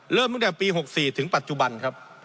เริ่มตั้งแต่ปี๖๔ถึงปัจจุบันครับ